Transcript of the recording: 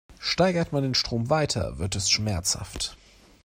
Steigert man den Strom weiter, wird es schmerzhaft.